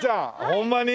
ホンマに？